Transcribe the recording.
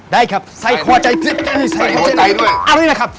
ได้ครับใส่หัวใจด้วยอร่อยนะครับ